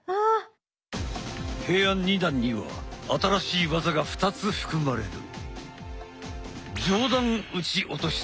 平安二段には新しい技が２つ含まれる。